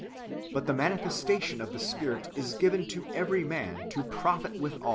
But the manifestation of the Spirit is given to every man to profit withal."